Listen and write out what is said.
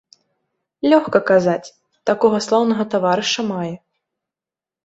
Лёгка казаць, такога слаўнага таварыша мае.